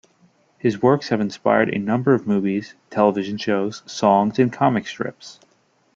His works have inspired a number of movies, television shows, songs and comic strips.